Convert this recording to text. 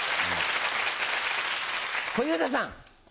小遊三さん。